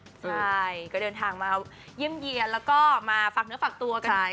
ใช่ก็เดินทางมาเยี่ยมเยี่ยนแล้วก็มาฝากเนื้อฝากตัวกัน